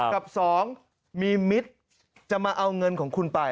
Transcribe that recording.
กับ๒มีมิตรจะมาเอาเงินของคุณไป